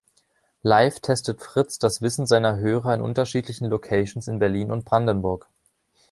Live testet Fritz das Wissen seiner Hörer in unterschiedlichen Locations in Berlin und Brandenburg.